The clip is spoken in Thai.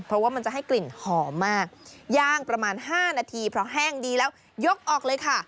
เพราะว่ามันจะให้กลิ่นหอมมากย่างประมาณ๕นาทีเพราะแห้งดีแล้วยกออกเลยค่ะ